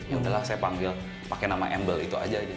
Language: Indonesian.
yaudahlah saya panggil pakai nama embl itu aja